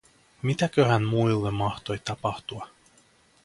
Mitäköhän muille mahtoi tapahtua?